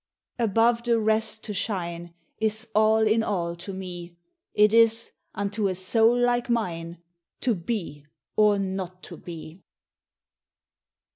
"Above the rest to shine Is all in all to me It is, unto a soul like mine, To be or not to be.